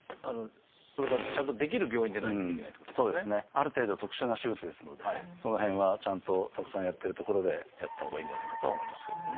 ある程度特殊な手術ですのでその辺はちゃんとたくさんやってる所でやったほうがいいんじゃないかとは思いますけどね。